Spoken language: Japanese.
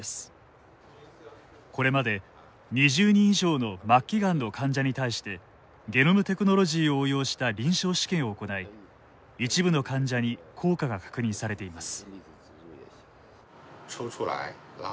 これまで２０人以上の末期がんの患者に対してゲノムテクノロジーを応用した臨床試験を行い一部の患者に効果が確認されています。